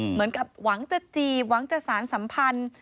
เหมือนกับหวังจะจีบหวังจะสารสัมพันธ์